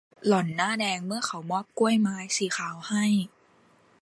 หล่อนหน้าแดงเมื่อเขามอบกล้วยไม้สีขาวให้